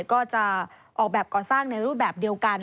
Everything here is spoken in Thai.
ก็จะออกแบบก่อสร้างในรูปแบบเดียวกัน